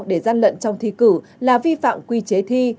để gian lận trong thi cử là vi phạm quy chế thi